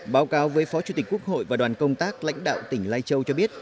báo cáo với phó chủ tịch quốc hội và đoàn công tác lãnh đạo tỉnh lai châu cho biết